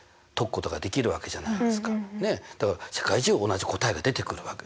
だから世界中同じ答えが出てくるわけです。